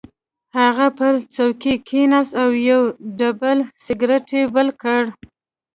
هغه پر څوکۍ کېناست او یو ډبل سګرټ یې بل کړ